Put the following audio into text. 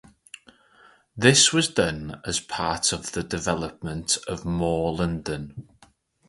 This was done as part of the development of More London.